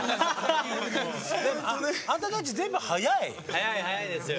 速い速いですよ。